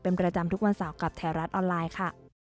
เป็นประจำทุกวันเสาร์กับแถวรัฐออนไลน์ค่ะ